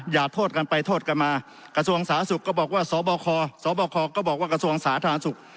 อย่าโทษกันไปโทษกันมากระทรวงสาธารณสุขก็บอกว่าสบคสบคก็บอกว่ากระทรวงสาธารณสุข